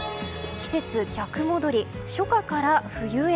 季節逆戻り、初夏から冬へ。